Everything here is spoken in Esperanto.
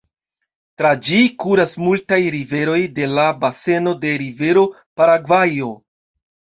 Tra ĝi kuras multaj riveroj de la baseno de rivero Paragvajo.